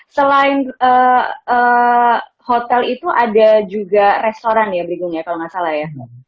selain hotel itu ada juga restoran ya brigong ya kalau nggak salah ya